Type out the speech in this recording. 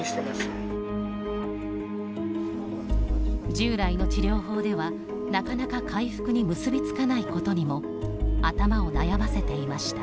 従来の治療法では、なかなか回復に結びつかないことにも頭を悩ませていました。